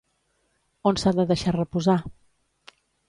On s'ha de deixar reposar?